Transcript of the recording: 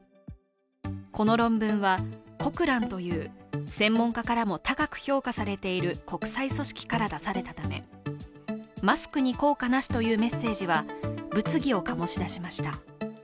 この論文は、コクランという専門家からも高く評価されている国際組織から出されたためマスクに効果なしというメッセージは物議を醸しました。